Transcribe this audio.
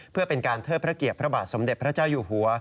เพื่อเป็นการเทิดพระเกียรติพระบาทสมเด็จพระเจ้าอยู่หัว